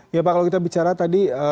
ya pak kalau kita bicara tadi